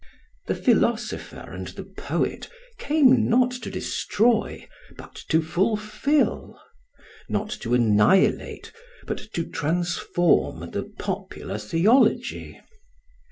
The philosopher and the poet came not to destroy, but to fulfil; not to annihilate but to transform the popular theology.